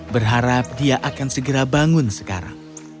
berharap dia akan segera bangun sekarang